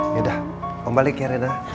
yaudah om balik ya reina